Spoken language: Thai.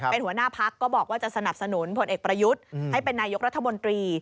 เป็นหัวหน้าพักก็บอกว่าจะสนับสนุนผลเอกประยุทธ์ให้เป็นนายกรัฐมนตรี